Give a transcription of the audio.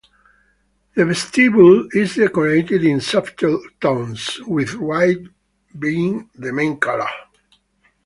The vestibule is decorated in subtle tones, with white being the main color.